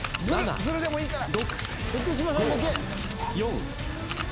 ズルでもいいから。